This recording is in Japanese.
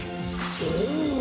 お！